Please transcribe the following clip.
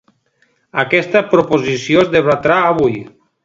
Aquesta proposició es debatrà avui.